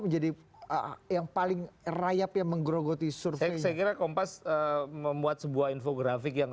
menjadi yang paling rayap yang menggerogoti survei saya kira kompas membuat sebuah infografik yang